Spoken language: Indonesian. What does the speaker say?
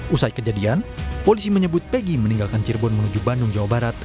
usai kejadian polisi menyebut pegi meninggalkan cirebon menuju bandung jawa barat